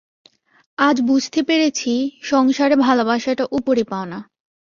আজ বুঝতে পেরেছি সংসারে ভালোবাসাটা উপরি-পাওনা।